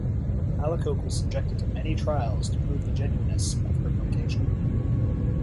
Alacoque was subjected to many trials to prove the genuineness of her vocation.